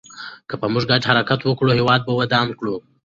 که موږ په ګډه حرکت وکړو، هېواد به ودان کړو.